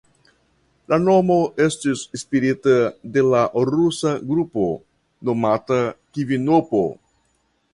La nomo estis inspirita de la rusa grupo nomata kvinopo.